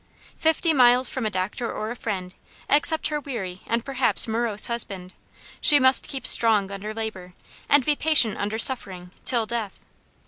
Fifty miles from a doctor or a friend, except her weary and perhaps morose husband, she must keep strong under labor, and be patient under suffering, till death.